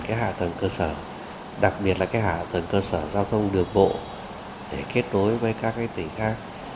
cái hạ tầng cơ sở đặc biệt là cái hạ tầng cơ sở giao thông đường bộ để kết nối với các cái tỉnh khác